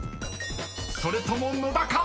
［それとも野田か⁉］